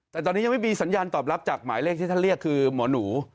แต่ตอนนี้ยังไม่มีสัญญาณตอบรับจากหมายเลขที่ท่านเรียกคือหมอหนู